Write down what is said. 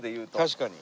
確かに。